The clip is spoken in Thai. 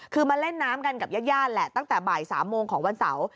คือมาเล่นน้ำกันกับญาติแหละตั้งแต่บ่าย๓โมงของวันเสาร์